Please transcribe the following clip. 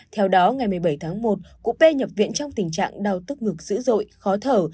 theo đó ngày một mươi bảy tháng một cụ p nhập viện trong tình trạng đau tức ngực dữ dội khó thở